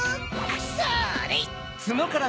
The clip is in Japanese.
それ！